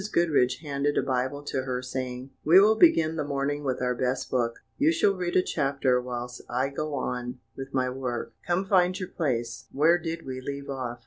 Goodriche handed a Bible to her, saying: "We will begin the morning with our best book: you shall read a chapter whilst I go on with my work; come, find your place where did we leave off?"